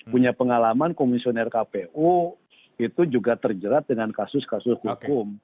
punya pengalaman komisioner kpu itu juga terjerat dengan kasus kasus hukum